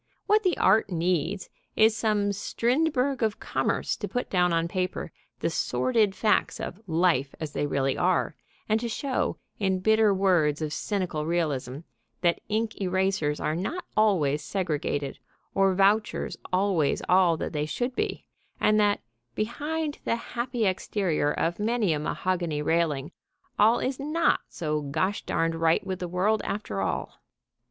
What the art needs is some Strindberg of Commerce to put down on paper the sordid facts of Life as they really are, and to show, in bitter words of cynical realism, that ink erasers are not always segregated or vouchers always all that they should be, and that, behind the happy exterior of many a mahogany railing, all is not so gosh darned right with the world after all.